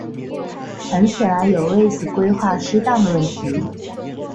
很显然有位置规划失当的问题。